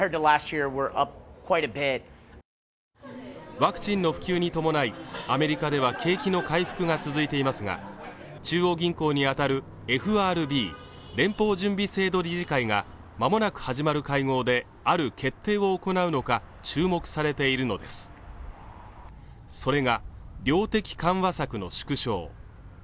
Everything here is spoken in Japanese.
ワクチンの普及に伴いアメリカでは景気の回復が続いていますが中央銀行に当たるＦＲＢ＝連邦準備制度理事会がまもなく始まる会合である決定を行うのか注目されているのですそれが量的緩和策の縮小